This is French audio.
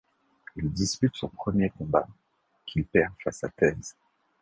Il dispute son premier combat qu'il perd face à Thesz.